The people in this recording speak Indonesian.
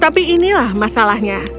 tapi inilah masalahnya